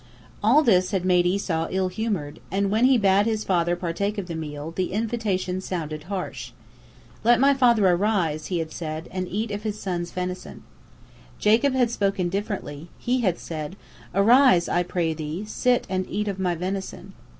All this had made Esau ill humored, and when he bade his father partake of the meal, the invitation sounded harsh. "Let my father arise," he said, "and eat of his son's venison." Jacob had spoken differently; he had said, "Arise, I pray thee, sit and eat of my venison."